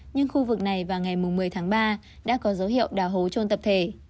nhưng khu vực này vào ngày một mươi tháng ba đã có dấu hiệu đào hố trôn tập thể